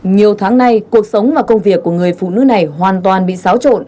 nhiều tháng nay cuộc sống và công việc của người phụ nữ này hoàn toàn bị xáo trộn